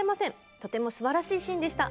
とてもすばらしいシーンでした。